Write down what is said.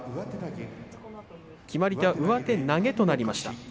決まり手は上手投げとなりました。